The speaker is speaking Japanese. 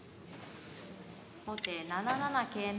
後手７七桂成。